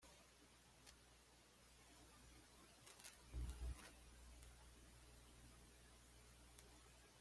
Victor Chandler es una de las casas de apuestas líderes en el mercado británico.